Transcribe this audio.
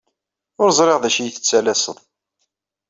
Ur ẓriɣ d acu i yi-tettalaseḍ.